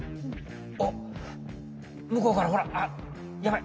おっむこうからほらあっやばい。